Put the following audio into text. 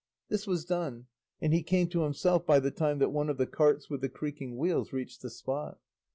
This was done, and he came to himself by the time that one of the carts with the creaking wheels reached the spot.